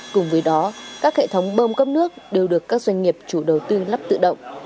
cùng với đó các hệ thống bơm cấp nước đều được các doanh nghiệp chủ đầu tư lắp tự động